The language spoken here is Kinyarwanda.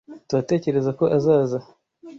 Turatekereza ko azaza.